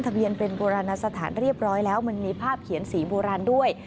เบียนเป็นโบราณสถานเรียบร้อยแล้วมันมีภาพเขียนสีโบราณด้วย